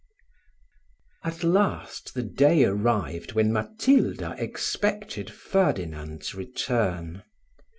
At last the day arrived when Matilda expected Ferdinand's return.